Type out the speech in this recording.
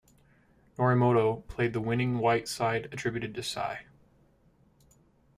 Norimoto played the winning white side attributed to Sai.